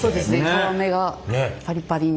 皮目がパリパリに。